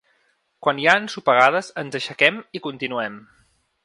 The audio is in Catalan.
Quan hi ha ensopegades ens aixequem i continuem.